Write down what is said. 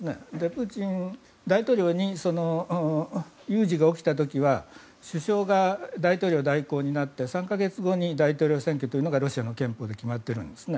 プーチン大統領に有事が起きた時は首相が大統領代行になって３か月後に大統領選挙というのがロシアの憲法で決まってるんです。